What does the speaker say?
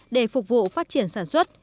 để phục vụ phát triển sản xuất